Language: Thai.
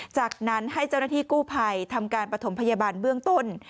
จากนั้นให้เจ้าหน้าที่กู้ภัยทำการปฐมพยาบาลเบื้องต้น